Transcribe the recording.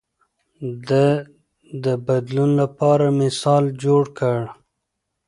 ده د بدلون لپاره مثال جوړ کړ.